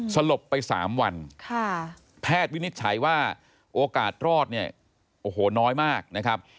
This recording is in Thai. สลบไป๓วันแพทย์วินิจฉัยว่าโอกาสรอดเนี่ยโอ้โหน้อยมากนะครับ